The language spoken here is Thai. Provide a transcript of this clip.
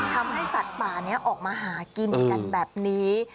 ทำให้สัตว์ป่านี้ออกมาหากินกันแบบนี้